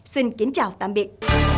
xin kính chào tạm biệt